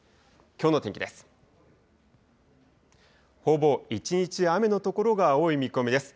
きょうの天気です。